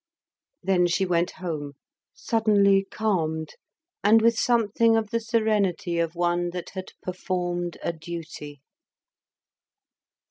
Then she went home, suddenly calmed, and with something of the serenity of one that had performed a duty.